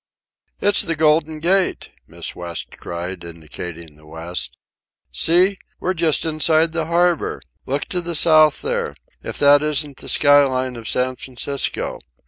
"It's the Golden Gate!" Miss West cried, indicating the west. "See! We're just inside the harbour. Look to the south there. If that isn't the sky line of San Francisco!